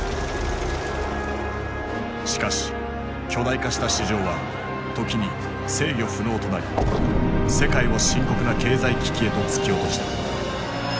しかし巨大化した市場は時に制御不能となり世界を深刻な経済危機へと突き落とした。